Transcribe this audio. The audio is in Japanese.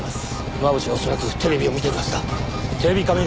真渕は恐らくテレビを見てるはずだ。